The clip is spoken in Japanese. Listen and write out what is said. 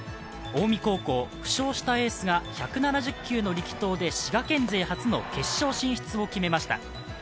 近江高校、負傷したエースが１７０球の力投で滋賀県勢初の進出を決めました。